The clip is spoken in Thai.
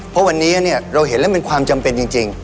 เพราะวันนี้เราเห็นแล้วมันความจำเป็นจริง